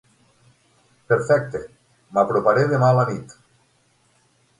Perfecte, m'aproparé demà a la nit.